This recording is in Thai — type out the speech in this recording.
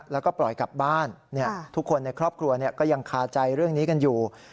แล้วก็ปล่อยกลับบ้านทุกคนในครอบครัวก็ยังคาใจเรื่องนี้กันอยู่